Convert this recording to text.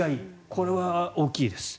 これは大きいです。